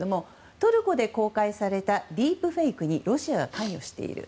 トルコで公開されたディープフェイクにロシアが関与している。